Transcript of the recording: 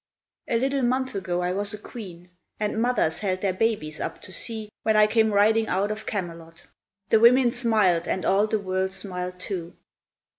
A little month ago I was a queen, And mothers held their babies up to see When I came riding out of Camelot. The women smiled, and all the world smiled too.